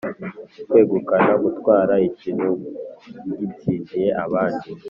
kwegukana: gutwara ikintu ugitsindiye abandi.